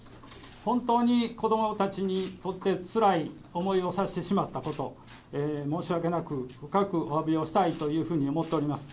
本当に子どもたちにとって、つらい思いをさせてしまったこと、申し訳なく、深くおわびをしたいというふうに思っております。